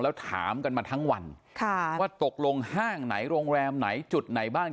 แล้วถามกันมาทั้งวันว่าตกลงห้างไหนโรงแรมไหนจุดไหนบ้าง